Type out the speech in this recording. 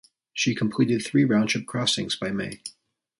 She completed three round-trip crossings by May.